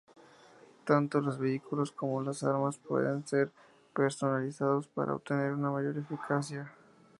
Tanto los vehículos como las armas pueden ser personalizados para obtener una mayor eficacia.